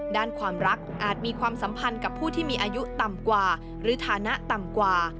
ด้านความรักอาจมีความสัมพันธ์กับผู้ที่มีอายุต่ำกว่าหรือฐานะต่ำกว่า